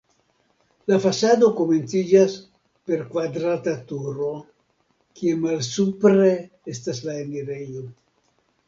La fasado komenciĝas per kvadrata turo, kie malsupre estas la enirejo.